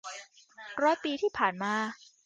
ร้อยปีที่ผ่านมา